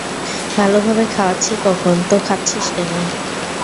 ভালোভাবে খাওয়াচ্ছি যখন, তো খাচ্ছিস কেন!